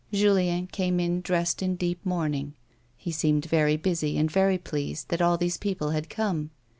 Jiilien came in dressed in deep mourn ing ; he seemed very busy, and very pleased that all these people had come.